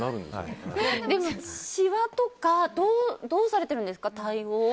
しわとかどうされてるんですか？